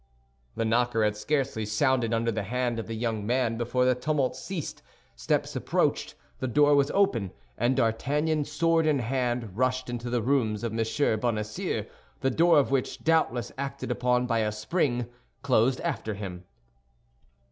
The knocker had scarcely sounded under the hand of the young man before the tumult ceased, steps approached, the door was opened, and D'Artagnan, sword in hand, rushed into the rooms of M. Bonacieux, the door of which, doubtless acted upon by a spring, closed after him.